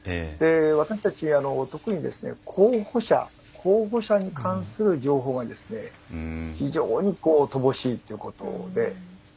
私たち特に候補者に関する情報が非常に乏しいということで。